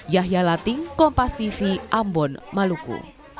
yahya latin kompas tv ambon maluku